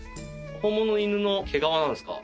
本物の犬の毛皮なんですか？